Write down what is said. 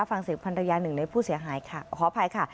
ฟังเสียภัณฑ์ระยะ๑ในผู้เสียหายค่ะ